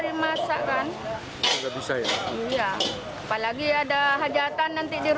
ini saya cucuk sampai terbawa bawa